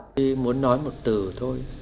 tôi muốn nói một từ thôi